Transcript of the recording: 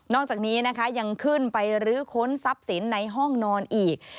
อกจากนี้นะคะยังขึ้นไปรื้อค้นทรัพย์สินในห้องนอนอีก